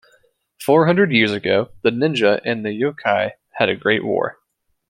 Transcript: Four hundred years ago, the ninja and the Youkai had a great war.